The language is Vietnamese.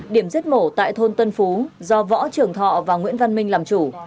điểm giết mổ tại thôn tân phú do võ trường thọ và nguyễn văn minh làm chủ